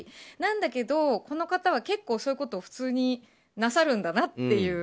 だけど、この方は結構そういうことを普通になさるんだなと。